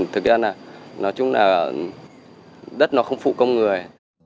thực ra là nói chung là đất nó không phụ công người